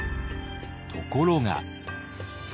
ところが。